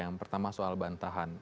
yang pertama soal bantahan